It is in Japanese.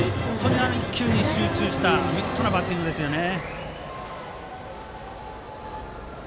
１球に集中した見事なバッティングですね。